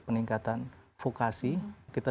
peningkatan vokasi kita